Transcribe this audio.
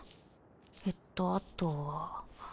えっとあとは。